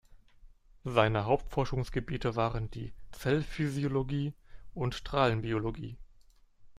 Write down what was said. Seine Hauptforschungsgebiete waren die Zellphysiologie und Strahlenbiologie.